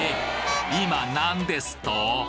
今何ですと？